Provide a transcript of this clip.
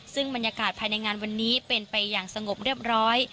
ซึ่งบรรยากาศภายในงานวันนี้เป็นไปอย่างสงบเรียบร้อย